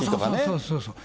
そうそうそう。